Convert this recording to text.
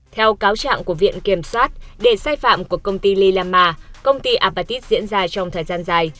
theo cáo trạng của viện kiểm soát để sai phạm của công ty lilama công ty apatit diễn ra trong thời gian dài